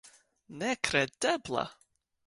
Nekredebla!